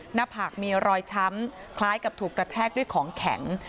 หน้าผากมีรอยช้ำคล้ายกับถูกกระแทกด้วยของแข็ง